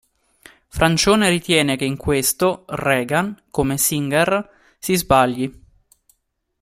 Francione ritiene che in questo, Regan, come Singer, si sbagli.